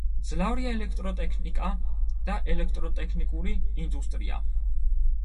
მძლავრია ელექტროტექნიკა და ელექტროტექნიკური ინდუსტრია.